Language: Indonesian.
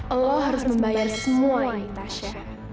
allah harus membayar semua nilai tasya